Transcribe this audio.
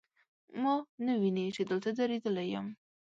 ما نه ویني، چې دلته دریدلی یم